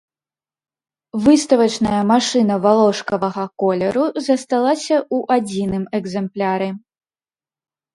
Выставачная машына валошкавага колеру засталася ў адзіным экземпляры.